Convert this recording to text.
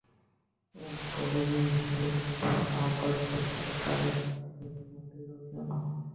এর পরে নীহারকে অবজ্ঞা করা কারও সাধ্যের মধ্যে রইল না।